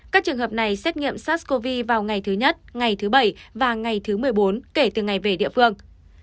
các trường hợp này xét nghiệm sars cov hai vào ngày thứ nhất ngày thứ bảy và ngày thứ một mươi bốn kể từ ngày về địa phương